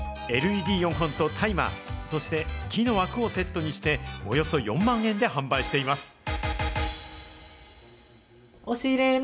ＬＥＤ４本とタイマー、そして木の枠をセットにしておよそ４万円で販売しています。